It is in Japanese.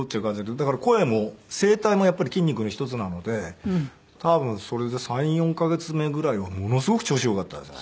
だから声も声帯もやっぱり筋肉の一つなので多分それで３４カ月目ぐらいはものすごく調子よかったですね。